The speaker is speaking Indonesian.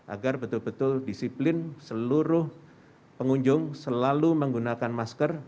agar betul betul disiplin seluruh pengunjung selalu menggunakan masker